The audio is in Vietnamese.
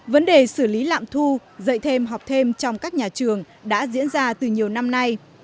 vấn đề xử lý lạm thu dạy thêm học thêm trong các nhà trường đã diễn ra từ nhiều năm nay